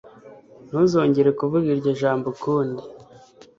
Ntuzongere kuvuga iryo jambo ukundi.